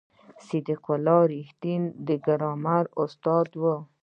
صدیق الله رښتین د ګرامر استاد و.